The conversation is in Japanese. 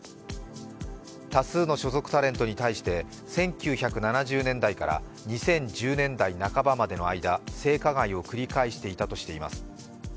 多数の所属タレントに対して１９７０年代から２０１０年代半ばまでの間性加害を繰り返していたとしています。